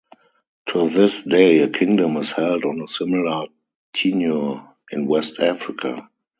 To this day a kingdom is held on a similar tenure in west Africa.